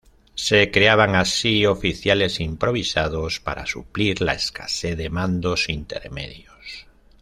Se creaban así oficiales "improvisados" para suplir la escasez de mandos intermedios.